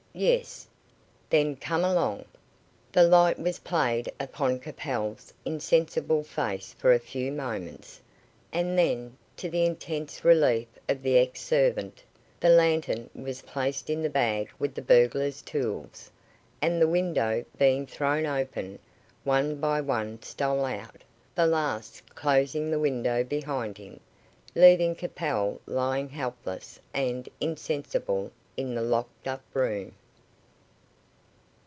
"Yes." "Then come along." The light was played upon Capel's insensible face for a few moments, and then, to the intense relief of the ex servant, the lantern was placed in the bag with the burglars' tools, and the window being thrown open, one by one stole out, the last closing the window behind him, leaving Capel lying helpless and insensible in the locked up room.